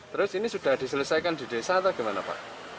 terus ini sudah diselesaikan di desa atau gimana pak